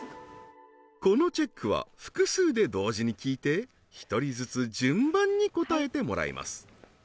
このチェックは複数で同時に聴いて１人ずつ順番に答えてもらいます